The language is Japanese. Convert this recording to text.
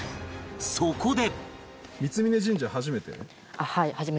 そこで